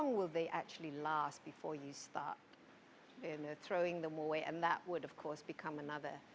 namun berdasarkan kapasitas baterai yang kami produksi di daimler